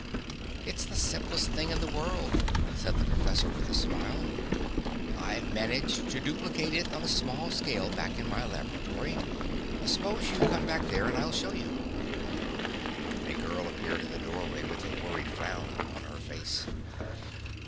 "It's the simplest thing in the world," said the professor with a smile. "I've managed to duplicate it on a small scale back in my laboratory. Suppose you come back there and I'll show you." A girl appeared in the doorway with a worried frown on her face.